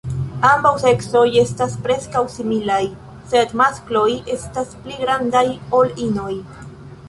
Ambaŭ seksoj estas preskaŭ similaj, sed maskloj estas pli grandaj ol inoj.